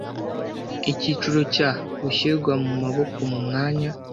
Icyiciro cya Gushyirwa mu maboko mu mwanya